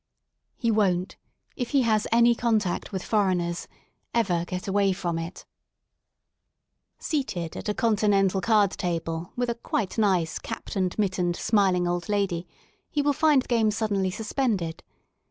He won't, if he has any contact with foreigners, ever get away from it, 22 FROM A DISTANCE Seated at a continental card table with a quite nice," capped and mittenedj smiling old lady, he will find the game suddenly suspended.